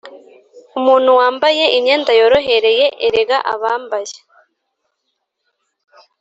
Umuntu wambaye imyenda yorohereye erega abambaye